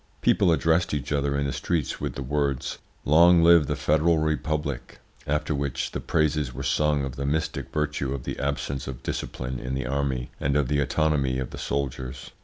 People addressed each other in the streets with the words: `Long live the federal republic!' After which the praises were sung of the mystic virtue of the absence of discipline in the army, and of the autonomy of the soldiers.